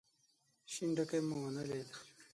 شين ډکی مو ونه ليد.